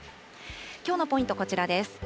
きょうのポイント、こちらです。